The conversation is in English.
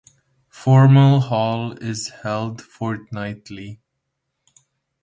Formal hall is held fortnightly.